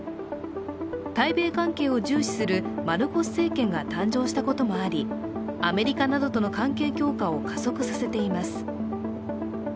対米関係を重視するマルコス政権が誕生したこともありアメリカなどとの関係強化を加速させています。